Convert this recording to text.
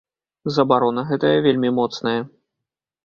Забарона гэтая вельмі моцная.